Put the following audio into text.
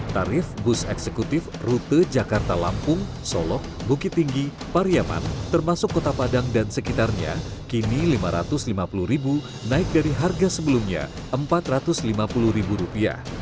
tarif bus eksekutif rute jakarta lampung solok bukit tinggi pariaman termasuk kota padang dan sekitarnya kini rp lima ratus lima puluh naik dari harga sebelumnya rp empat ratus lima puluh